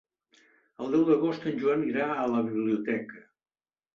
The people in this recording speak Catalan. El deu d'agost en Joan irà a la biblioteca.